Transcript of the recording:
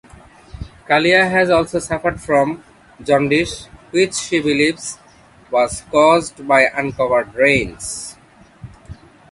Kalia has also suffered from jaundice which she believes was caused by uncovered drains.